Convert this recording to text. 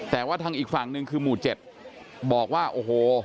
แต่ว่าทางอีกฝั่งหนึ่งคือหมู่๗บอกว่าโอ้โห